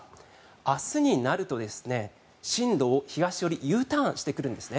明日になると進路を東寄りＵターンしてくるんです。